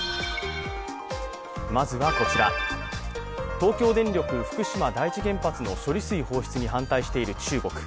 東京電力福島第一原発の処理水放出に反対している中国。